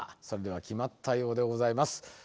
それでは決まったようでございます。